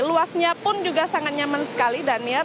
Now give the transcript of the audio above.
luasnya pun juga sangat nyaman sekali daniel